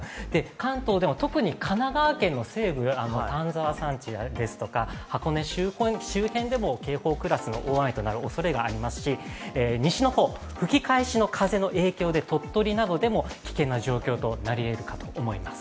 関東でも特に神奈川県の西部丹沢山地ですとか箱根周辺でも警報クラスの大雨となるおそれがありますし西の方、吹き返しの風の影響で鳥取などでも危険な状況になりえます。